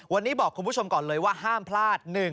วันนี้บอกคุณผู้ชมก่อนเลยว่าห้ามพลาด